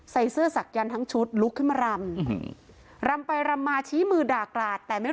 คุณปุ้ยอายุ๓๒นางความร้องไห้พูดคนเดี๋ยว